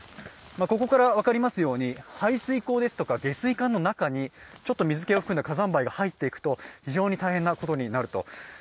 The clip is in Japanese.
ここから分かりますように排水溝ですとか下水口の中にちょっと水気を含んだ火山灰が入っていくと非常に大変なことになると。